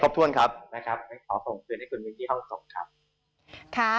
ครบถ้วนครับ